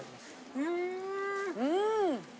うん！